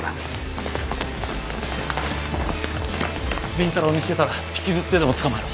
倫太郎を見つけたら引きずってでも捕まえろ。